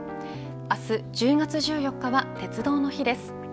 明日１０月１４日は鉄道の日です。